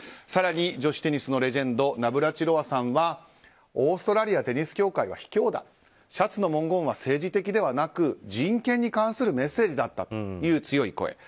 更に、女子テニスのレジェンドナブラチロワさんはオーストラリアテニス協会は卑怯だシャツの文言は政治的ではなく人権に関するメッセージだったという強い声。